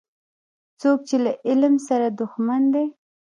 څوک چي له علم سره دښمن دی